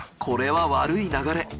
これは悪い流れ。